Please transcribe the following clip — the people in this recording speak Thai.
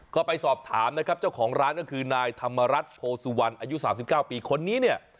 ก็ไปสอบถามนะครับเจ้าของร้านก็คือนายธรรมรัฐโพสุวรรณอายุ๓๙ปีคนนี้เนี่ย